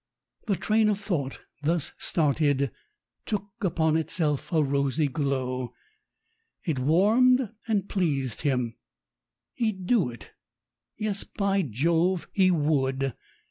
The train of thought thus started took upon itself a rosy glow; it warmed and pleased him. He'd do it. Yes, by Jove! he would.